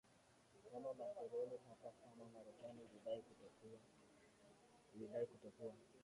kama makoloni hata kama Marekani ilidai kutokuwa